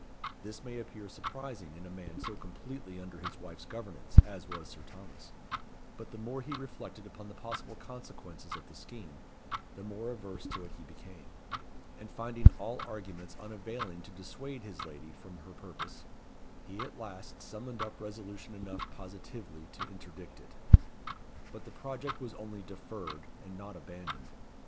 This may appear surprising in a man so completely under his wife's governance as was Sir Thomas; but the more he reflected upon the possible consequences of the scheme, the more averse to it he became; and finding all arguments unavailing to dissuade his lady from her purpose, he at last summoned up resolution enough positively to interdict it. But the project was only deferred, and not abandoned.